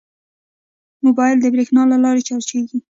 موبایل د بریښنا له لارې چارجېږي.